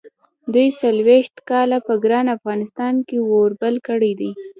دوی څلوېښت کاله په ګران افغانستان کې اور بل کړی دی.